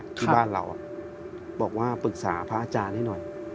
ที่บ้านเราบอกว่าปรึกษาพระอาจารย์ให้หน่อย